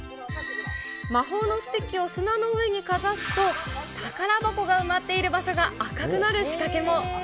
魔法のステッキを砂の上にかざすと、宝箱が埋まっている場所が赤くなる仕掛けも。